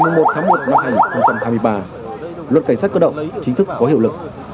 luật cảnh sát cơ động chính thức có hiệu lực